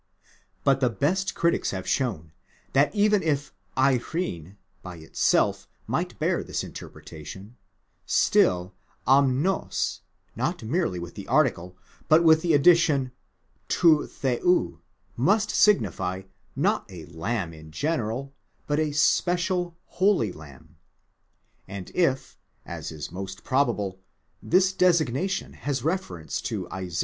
But the best critics have shown that even if αἴρειν by itself might bear this interpreta tion, still ἀμνὸς, not merely with the article but with the addition rod Θεοῦ, must signify, not a lamb in general, but a special, holy Lamb ; and if, as is most probable, this designation has reference to Isa.